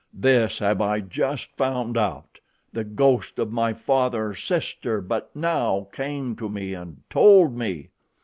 This have I just found out, the ghost of my father's sister but now came to me and told me."